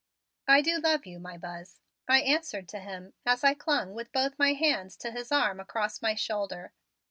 "I do love you, my Buzz," I answered to him as I clung with both my hands to his arm across my shoulder.